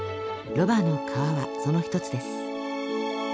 「ロバの皮」はその一つです。